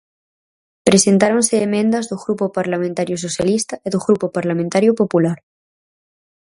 Presentáronse emendas do Grupo Parlamentario Socialista e do Grupo Parlamentario Popular.